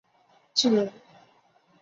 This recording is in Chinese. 这些岛屿包括苏斯港。